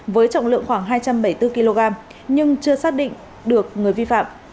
với trọng lượng khoảng hai trăm bảy mươi bốn kg nhưng chưa xác định được người vi phạm